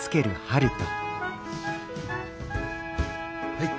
はい。